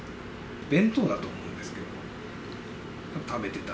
弁当だと思うんですけど、食べてた。